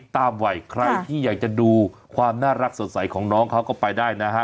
ตามวัยใครที่อยากจะดูความน่ารักสดใสของน้องเขาก็ไปได้นะฮะ